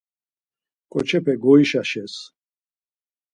Ǩoçepe goyşaşes.